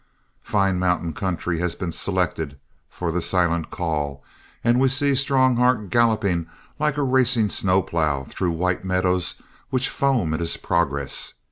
Fine mountain country has been selected for The Silent Call and we see Strongheart galloping like a racing snow plow through white meadows which foam at his progress.